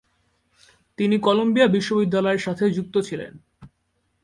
তিনি কলম্বিয়া বিশ্ববিদ্যালয়ের সাথে যুক্ত ছিলেন।